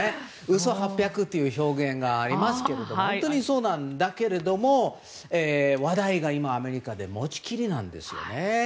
嘘八百という表現がありますけど本当にそうなんだけれども話題が今、アメリカでもちきりなんですね。